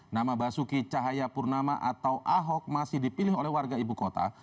nama basuki cahayapurnama atau ahok masih dipilih oleh warga ibu kota